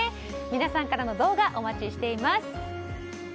皆さんからの動画お待ちしています。